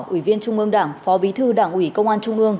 ủy viên trung ương đảng phó bí thư đảng ủy công an trung ương